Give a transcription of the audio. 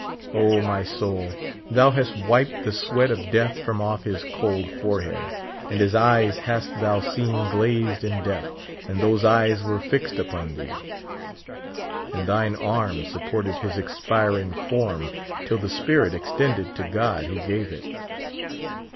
O, my soul, thou hast wiped the sweat of death from off his cold forehead, and his eyes hast thou seen glazed in death, and those ej^es were fixed upon thee I And thine arm supported his expiring form till the spirit extended to God who gave it.